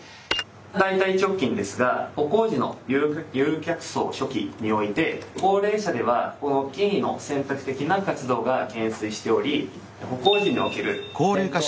大腿直筋ですが歩行時の遊脚相初期において高齢者ではこの近位の選択的な活動が減衰しており歩行時における転倒発生メカニズムの。